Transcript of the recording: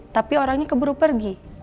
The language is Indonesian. tapi orangnya keburu pergi